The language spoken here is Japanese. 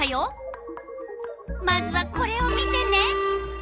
まずはこれを見てね。